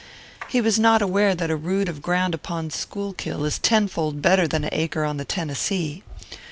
He was not aware that a rood of ground upon Schuylkill is tenfold better than an acre on the Tennessee.